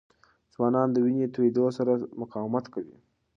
ځوانان د وینې د تویېدو سره سره مقاومت کوي.